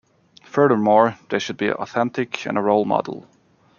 Furthermore, they should be authentic and a role model.